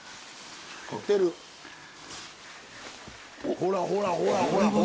ほらほらほらほらこれ！